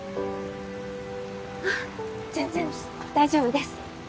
あっ全然大丈夫です。